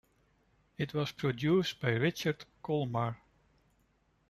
It was produced by Richard Kollmar.